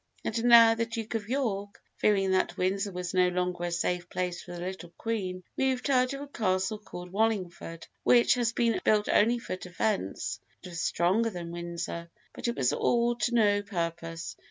And now the Duke of York, fearing that Windsor was no longer a safe place for the little Queen, moved her to a castle called Wallingford, which had been built only for defence, and was stronger than Windsor. But it was all to no purpose.